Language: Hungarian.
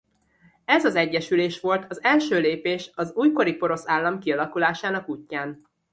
Ez az egyesülés volt az első lépés az újkori porosz állam kialakulásának útján.